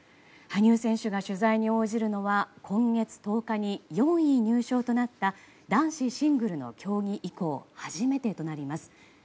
羽生選手が取材に応じるのは今月１０日に４位入賞となった男子シングルの競技以降初めてとなります。